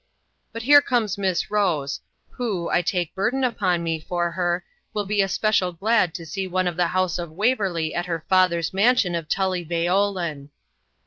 But here comes Miss Rose, who, I take burden upon me for her, will be especial glad to see one of the house of Waverley at her father's mansion of Tully Veolan.'